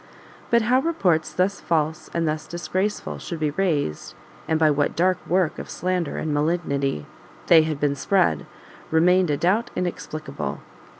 But how reports thus false and thus disgraceful should be raised, and by what dark work of slander and malignity they had been spread, remained a doubt inexplicable.